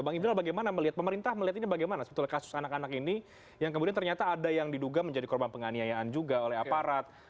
bang ibdal bagaimana melihat pemerintah melihat ini bagaimana sebetulnya kasus anak anak ini yang kemudian ternyata ada yang diduga menjadi korban penganiayaan juga oleh aparat